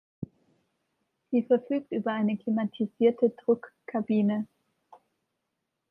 Sie verfügt über eine klimatisierte Druckkabine.